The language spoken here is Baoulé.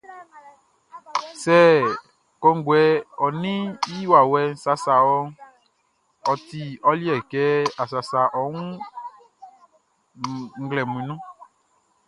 Sɛ kɔnguɛʼn ɔ ninʼn i wawɛʼn sasa wɔʼn, ɔ ti ɔ liɛ kɛ a sasa ɔ wun nglɛmun nunʼn.